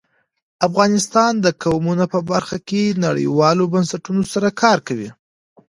افغانستان د قومونه په برخه کې نړیوالو بنسټونو سره کار کوي.